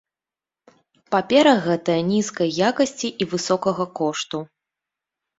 Папера гэтая нізкай якасці і высокага кошту.